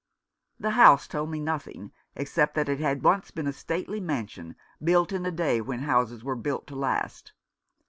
The house told me nothing except that it had once been a stately mansion, built in a day when houses were built to last.